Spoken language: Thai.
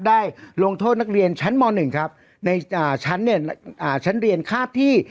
ได้โรงโทษนักเรียนชั้นม๑ครับในชั้นเนี่ยอ่าชั้นเรียนคาบที่